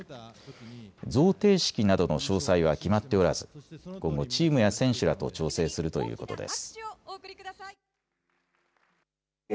贈呈式などの詳細は決まっておらず今後、チームや選手らと調整するということです。